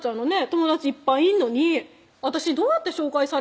友達いっぱいいんのに私どうやって紹介さ